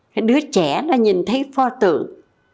cái đứa trẻ nó nhìn thấy pho tượng